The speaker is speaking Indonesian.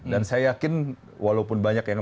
dan saya yakin walaupun banyak yang